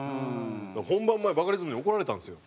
本番前バカリズムに怒られたんですよ。